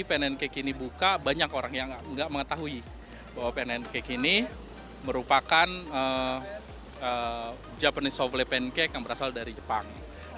pnn cake ini buka banyak orang yang enggak mengetahui bahwa pnn cake ini merupakan japanese soffle pancake yang berasal dari jepang